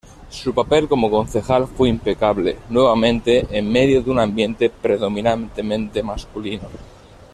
Su papel como concejal fue impecable, nuevamente en medio de un ambiente predominantemente masculino.